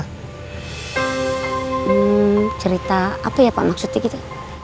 hmm cerita apa ya pak maksudi